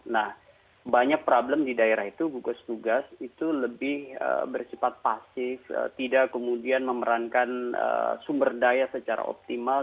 nah banyak problem di daerah itu gugus tugas itu lebih bersifat pasif tidak kemudian memerankan sumber daya secara optimal